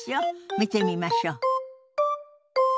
見てみましょう。